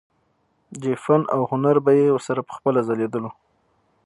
چې فن او هنر به يې ورسره پخپله ځليدلو